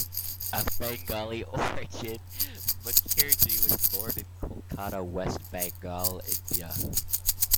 Of Bengali origin, Mukherjee was born in Kolkata, West Bengal, India.